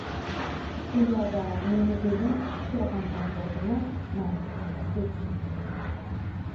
ئۇ يەردە مېنى ئۆلۈم كۈتۈپ تۇرغان تەقدىردىمۇ، مەن قايتىپ كېتىشىم كېرەك.